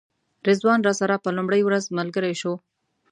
رضوان راسره په لومړۍ ورځ ملګری شو.